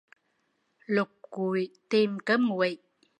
Lục cụi tìm cơm nguội